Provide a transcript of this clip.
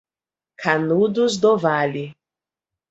Canudos do Vale